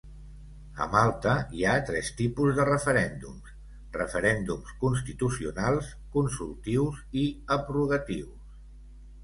A Malta hi ha tres tipus de referèndums: referèndums constitucionals, consultius i abrogatius.